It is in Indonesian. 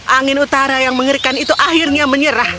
angin utara yang mengerikan itu akhirnya menyerah